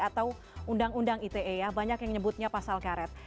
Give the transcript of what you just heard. atau undang undang ite ya banyak yang nyebutnya pasal karet